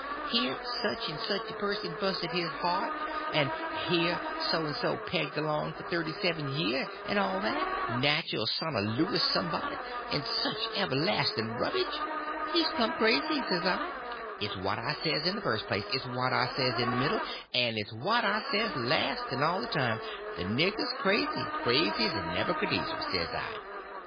Here sich 'n' sich a person busted his heart; 'n' here so 'n' so pegged along for thirty seven year, 'n' all that—natcherl son o' Louis somebody, 'n' sich everlast'n rubbage. He's plumb crazy, s'I; it's what I says in the fust place, it's what I says in the middle, 'n' it's what I says last 'n' all the time—the nigger's crazy—crazy 's Nebokoodneezer, s'I."